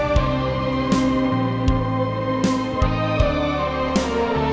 sampai jumpa lagi